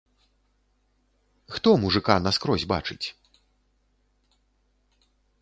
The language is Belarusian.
Хто мужыка наскрозь бачыць?